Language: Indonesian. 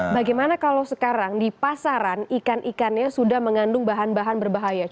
bagaimana kalau sekarang di pasaran ikan ikannya sudah mengandung bahan bahan berbahaya